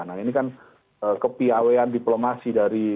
nah ini kan kepiawean diplomasi dari